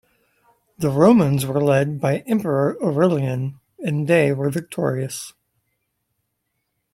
The Romans were led by Emperor Aurelian, and they were victorious.